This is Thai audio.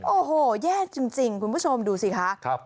โอ้โหแย่จริงคุณผู้ชมดูสิคะ